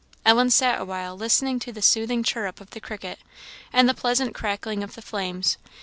Ellen sat a while listening to the soothing chirrup of the cricket, and the pleasant crackling of the flames.